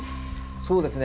そうですね。